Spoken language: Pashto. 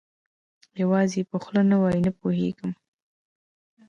یوازې یې په خوله نه وایي، نه پوهېږم.